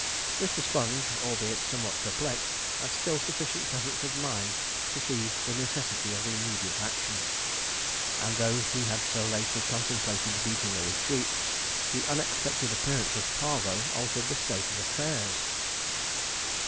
Mr. Sponge, albeit somewhat perplexed, had still sufficient presence of mind to see the necessity of immediate action; and though he had so lately contemplated beating a retreat, the unexpected appearance of Parvo altered the state of affairs.